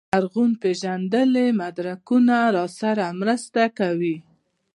لرغونپېژندنې مدرکونه راسره مرسته کوي.